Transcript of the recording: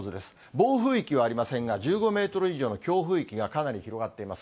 暴風域はありませんが、１５メートル以上の強風域がかなり広がっています。